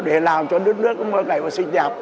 để làm cho đất nước có mỗi ngày một sinh nhạc